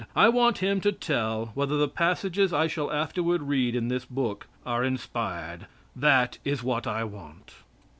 I want him to tell whether the passages I shall afterward read in this book are inspired. That is what I want.